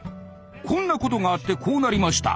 「こんなことがあってこうなりました。